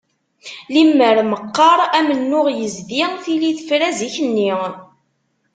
Limmer meqqar amennuɣ yezdi tili tefra zik-nni.